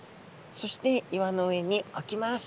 そして岩の上におきます。